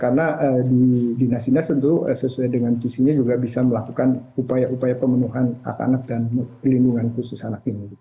karena di dinasinya tentu sesuai dengan visinya juga bisa melakukan upaya upaya pemenuhan anak anak dan pelindungan khusus anak ini